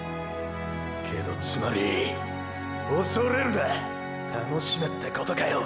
けどつまり“恐れるな”楽しめってことかよ！！